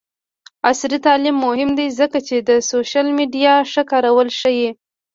عصري تعلیم مهم دی ځکه چې د سوشل میډیا ښه کارول ښيي.